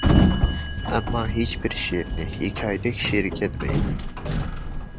ئەمما ھېچبىر شېئىرنى ھېكايىدەك شېئىركەن دېمەيمىز.